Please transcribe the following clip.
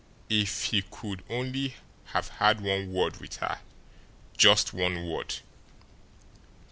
If he could only have had one word with her just one word!